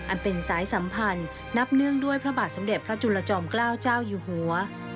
อันเป็นสายสัมพันธ์นับเนื่องด้วยพระบาทสมเด็จพระจุลจอมเกล้าเจ้าอยู่หัว